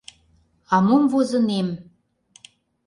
А мом возынем